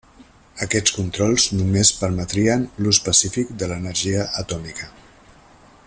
Aquests controls només permetrien l'ús pacífic de l'energia atòmica.